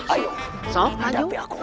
ayo mencapai aku